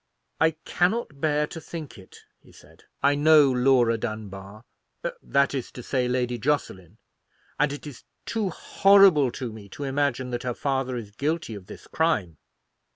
"I cannot bear to think it," he said; "I know Laura Dunbar—that is to say, Lady Jocelyn—and it is too horrible to me to imagine that her father is guilty of this crime.